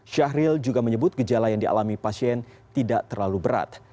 syahril juga menyebut gejala yang dialami pasien tidak terlalu berat